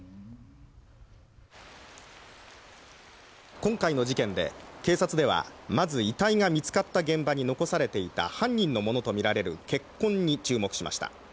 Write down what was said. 今回の事件で警察ではまず遺体が見つかった現場に残されていた犯人のものとみられる血痕に注目しました。